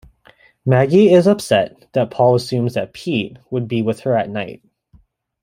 Maggie is upset that Paul assumes that Pete would be with her at night.